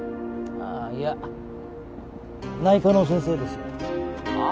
ああいや内科の先生ですよああ